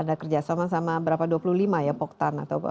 ada kerjasama sama berapa dua puluh lima ya poktan atau